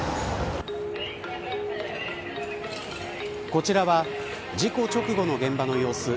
こちらは事故直後の現場の様子。